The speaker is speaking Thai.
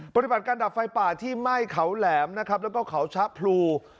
ปฏิบัติการดับไฟป่าที่ไหม้เขาแหลมนะครับแล้วก็เขาชะพลู